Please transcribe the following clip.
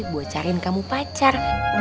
buat carin kamu pacar